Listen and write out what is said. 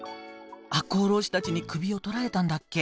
赤穂浪士たちに首を取られたんだっけ？